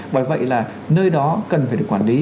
bởi vậy là nơi đó cần phải được quản lý